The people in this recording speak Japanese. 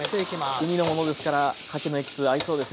海のものですからかきのエキス合いそうですね